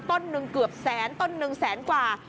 ต้นหนึ่งเกือบแสนต้นหนึ่งแสนกว่า